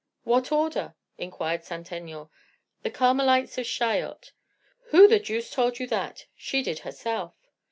"What order?" inquired Saint Aignan. "The Carmelites of Chaillot." "Who the deuce told you that?" "She did herself."